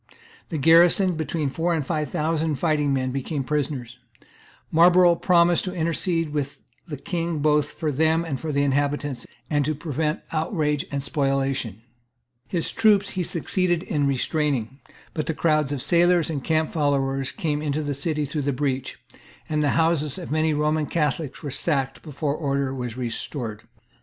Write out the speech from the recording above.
The garrison, between four and five thousand fighting men, became prisoners. Marlborough promised to intercede with the King both for them and for the inhabitants, and to prevent outrage and spoliation. His troops he succeeded in restraining; but crowds of sailors and camp followers came into the city through the breach; and the houses of many Roman Catholics were sacked before order was restored.